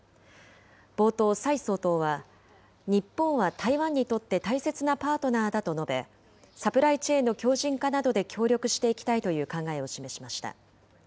冒頭、蔡総統は、日本は台湾にとって大切なパートナーだと述べ、サプライチェーンの強じん化などで協力していきたいという考えを示しました。